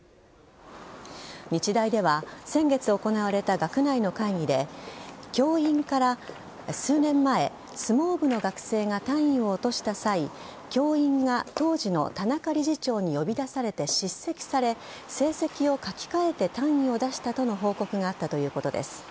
日大では先月行われた学内の会議で教員から数年前、相撲部の学生が単位を落とした際教員が当時の田中理事長に呼び出されて叱責され成績を書き換えて単位を出したとの報告があったということです。